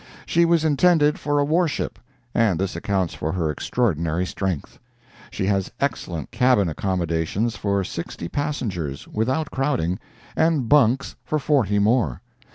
She was intended for a warship, and this accounts for her extraordinary strength. She has excellent cabin accommodations for sixty passengers, without crowding, and bunks for forty more.